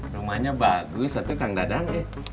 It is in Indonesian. rumahnya bagus tapi kang dadang ya